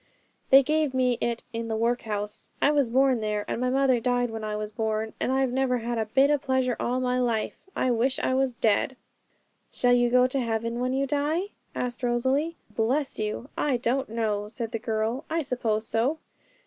'They gave me it in the workhouse; I was born there, and my mother died when I was born, and I've never had a bit of pleasure all my life; I wish I was dead!' 'Shall you go to heaven when, you die?' asked Rosalie. 'La, bless you! I don't know,' said the girl; 'I suppose so.'